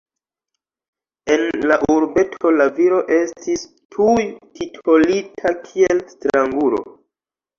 En la urbeto la viro estis tuj titolita kiel strangulo.